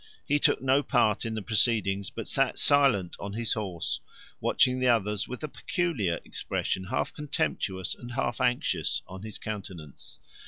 He took no part in the proceedings, but sat silent on his horse, watching the others with a peculiar expression, half contemptuous and half anxious, on his countenance.